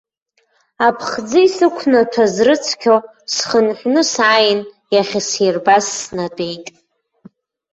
Аԥхӡы исықәнаҭәаз рыцқьо, схынҳәны сааин, иахьсирбаз снатәеит.